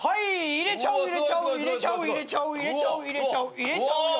入れちゃう入れちゃう入れちゃう入れちゃう入れちゃう入れちゃう入れちゃうよ。